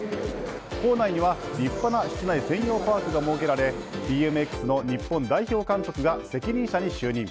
校内には、立派な室内専用パークが設けられＢＭＸの日本代表監督が責任者に就任。